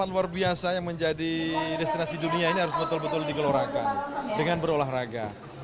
luar biasa yang menjadi destinasi dunia ini harus betul betul digelorakan dengan berolahraga